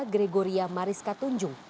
gregoria mariska tunjung